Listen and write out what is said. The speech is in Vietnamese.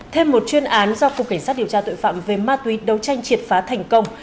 thêm một chuyên án do cục cảnh sát điều tra tội phạm về ma túy đấu tranh triệt phá thành công